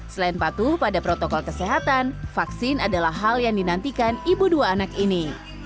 selain patuh pada protokol kesehatan vaksin adalah hal yang dinantikan ibu dua anak ini